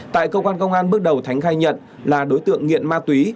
tại cơ quan công an bước đầu thánh khai nhận là đối tượng nghiện ma túy